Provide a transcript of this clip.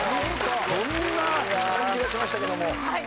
そんな感じがしましたけども。